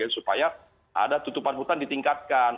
supaya ada tutupan hutan ditingkatkan